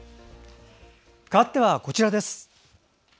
かわってはこちらです。